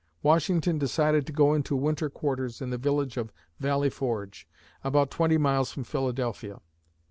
Washington decided to go into winter quarters in the village of Valley Forge, about twenty miles from Philadelphia.